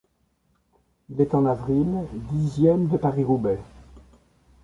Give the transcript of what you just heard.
Il est en avril dixième de Paris-Roubaix.